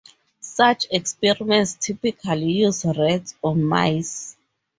Such experiments typically use rats or mice.